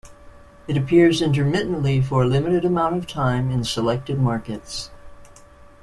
It appears intermittently for a limited amount of time in selected markets.